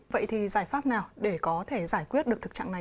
vậy thì giải pháp nào để có thể giải quyết được thực trạng này